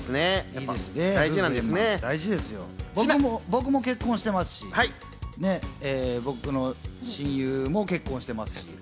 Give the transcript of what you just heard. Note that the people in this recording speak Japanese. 僕も結婚してますし、僕の親友も結婚してます。